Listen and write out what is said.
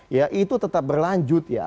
ya itu tetap berlanjut ya